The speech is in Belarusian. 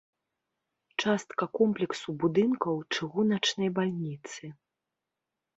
Частка комплексу будынкаў чыгуначнай бальніцы.